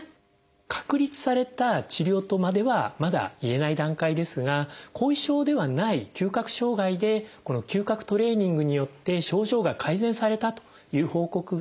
確立された治療とまではまだ言えない段階ですが後遺症ではない嗅覚障害でこの嗅覚トレーニングによって症状が改善されたという報告があります。